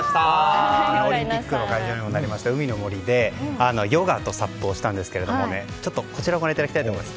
オリンピックの会場にもなった海の森でヨガとＳＵＰをしたんですがこちらをご覧いただきたいと思います。